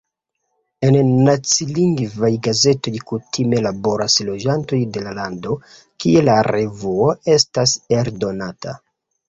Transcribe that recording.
En nacilingvaj gazetoj kutime laboras loĝantoj de la lando, kie la revuo estas eldonata.